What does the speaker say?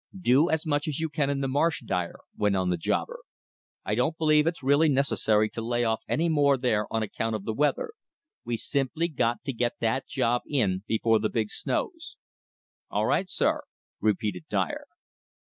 "Do as much as you can in the marsh, Dyer," went on the jobber. "I don't believe it's really necessary to lay off any more there on account of the weather. We've simply got to get that job in before the big snows." "All right, sir," repeated Dyer.